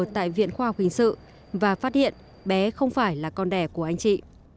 tại viện khoa học hình sự và phát hiện bé không phải là con đẻ của anh chị